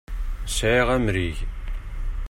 Sɛiɣ amrig.